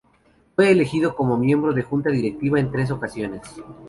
Fue elegido como miembro de la junta directiva en tres ocasiones.